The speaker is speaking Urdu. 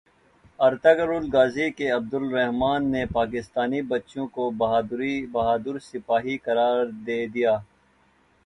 ارطغرل غازی کے عبدالرحمن نے پاکستانی بچوں کو بہادر سپاہی قرار دے دیا